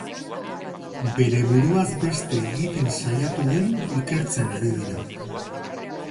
Bere buruaz beste egiten saiatu den ikertzen ari dira.